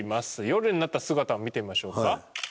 夜になった姿を見てみましょうか。